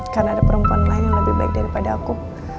karena ada perempuan lain yang lebih baik daripada aku